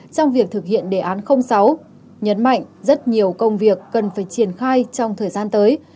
trong việc thực hiện đề án sáu nhấn mạnh rất nhiều công việc cần phải triển khai trong thời gian tới